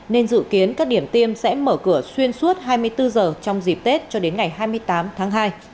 nên dự kiến các điểm tiêm sẽ mở cửa xuyên suốt hai mươi bốn giờ trong dịp tết cho đến ngày hai mươi tám tháng hai